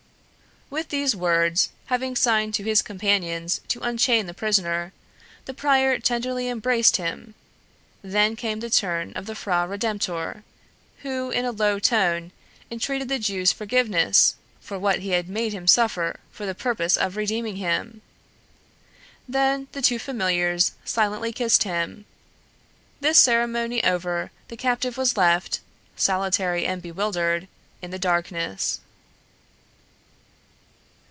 With these words, having signed to his companions to unchain the prisoner, the prior tenderly embraced him. Then came the turn of the fra redemptor, who, in a low tone, entreated the Jew's forgiveness for what he had made him suffer for the purpose of redeeming him; then the two familiars silently kissed him. This ceremony over, the captive was left, solitary and bewildered, in the darkness.